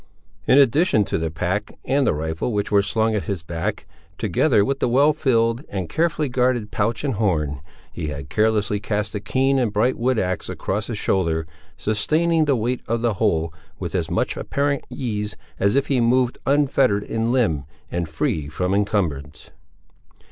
In addition to the pack and the rifle which were slung at his back, together with the well filled, and carefully guarded pouch and horn, he had carelessly cast a keen and bright wood axe across his shoulder, sustaining the weight of the whole with as much apparent ease, as if he moved, unfettered in limb, and free from incumbrance.